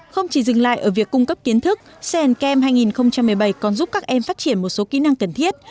không chỉ dừng lại ở việc cung cấp kiến thức cien cam hai nghìn một mươi bảy còn giúp các em phát triển một số kỹ năng cần thiết